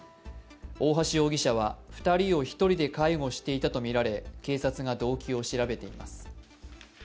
大橋容疑者は２人を１人で介護していたとみられ、警察が動機を調べています。